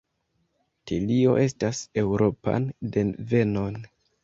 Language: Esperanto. Tilio havas Eŭropan devenon.